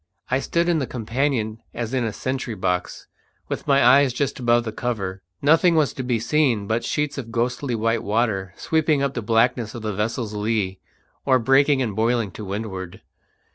I stood in the companion as in a sentry box, with my eyes just above the cover. Nothing was to be seen but sheets of ghostly white water sweeping up the blackness on the vessel's lee, or breaking and boiling to windward.